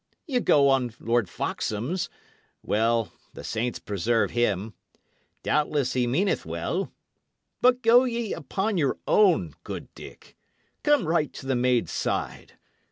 Ye go on Lord Foxham's; well the saints preserve him! doubtless he meaneth well. But go ye upon your own, good Dick. Come right to the maid's side.